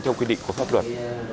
theo quy định của pháp luật